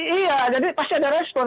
iya jadi pasti ada respon